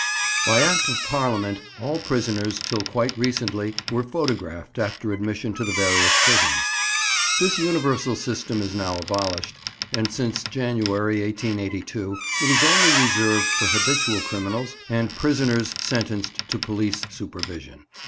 BY Act of Parliament, all prisoners, till quite recently, were photographed after admission to the various prisons. This universal system is now abolished, and since January, 1882, it is only reserved for habitual criminals and prisoners sentenced to police supervision.